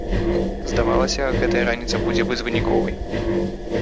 Здавалася, гэтая раніца будзе безвыніковай.